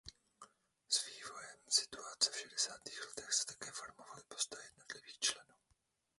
S vývojem situace v šedesátých letech se také formovaly postoje jednotlivých členů.